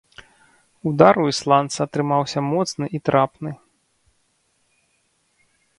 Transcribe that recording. Удар у ісландца атрымаўся моцны і трапны.